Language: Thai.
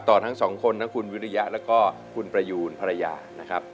ทั้งสองคนทั้งคุณวิริยะแล้วก็คุณประยูนภรรยานะครับ